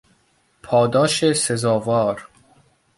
پاداش سزاوار